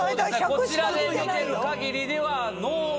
こちらで見てる限りでは。